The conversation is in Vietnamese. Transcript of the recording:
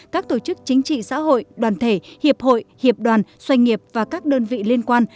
các tổ chức chính trị xã hội đoàn thể hiệp hội hiệp đoàn doanh nghiệp và các đơn vị liên quan